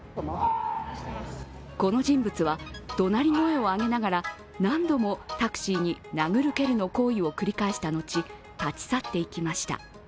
この人物はどなり声を上げながら何度もタクシーに殴る蹴るの行為を繰り返した後、立ち去っていきました。